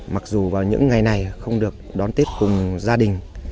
mặc dù vào những ngày này không được đón tết cùng gia đình